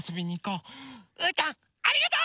うーたんありがとう！